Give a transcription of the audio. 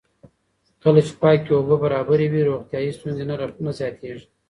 کله چې پاکې اوبه برابرې وي، روغتیایي ستونزې نه زیاتېږي.